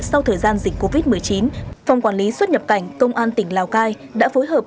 sau thời gian dịch covid một mươi chín phòng quản lý xuất nhập cảnh công an tỉnh lào cai đã phối hợp